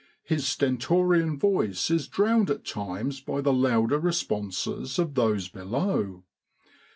His stentorian voice is drowned at times by the louder responses of those below.